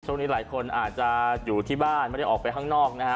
ช่วงนี้หลายคนอาจจะอยู่ที่บ้านไม่ได้ออกไปข้างนอกนะฮะ